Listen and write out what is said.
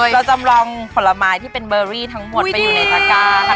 เราจำลองผลไม้ที่เป็นเบอรี่ทั้งหมดไปอยู่ในตระก้าค่ะ